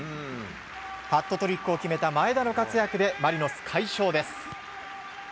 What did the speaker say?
ハットトリックを決めた前田の活躍でマリノス、快勝です。